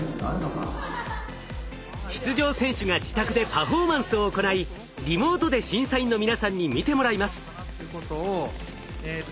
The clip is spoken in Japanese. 出場選手が自宅でパフォーマンスを行いリモートで審査員の皆さんに見てもらいます。